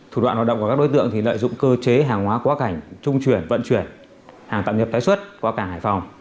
thủ đoạn hoạt động của các đối tượng thì lợi dụng cơ chế hàng hóa quá cảnh trung chuyển vận chuyển hàng tạm nhập tái xuất qua cảng hải phòng